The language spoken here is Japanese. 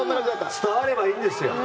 伝わればいいんですよ。